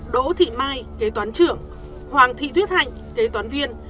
đỗ thị mai kế toán trưởng hoàng thị tuyết hạnh kế toán viên